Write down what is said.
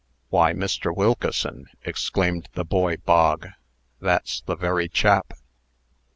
"Why, Mr. Wilkeson," exclaimed the boy Bog, "that's the very chap!"